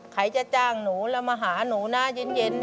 ใครจะจ้างหนูแล้วมาหาหนูนะเย็น